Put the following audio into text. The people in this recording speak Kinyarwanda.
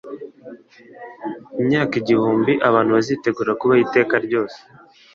imyaka igihumbi abantu bazitegura kubaho kw'iteka ryose.